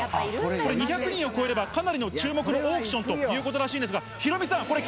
これ、２００人を超えれば、かなりの注目のオークションということらしいんですが、ヒロミさ